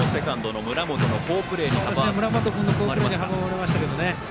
村本君の好プレーに阻まれましたけどね。